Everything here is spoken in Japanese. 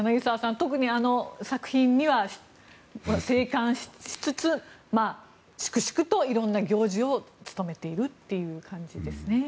特に作品には静観しつつ粛々といろんな行事を務めているという感じですね。